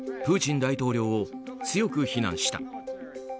プーチン大統領を強く非難した。